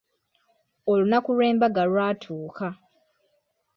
Olunaku lw'embaga lwatuuka.